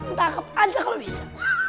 nangkep aja kalau bisa